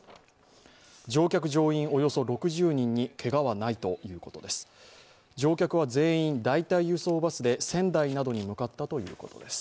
乗客・乗員およそ６０人にけがはないということです。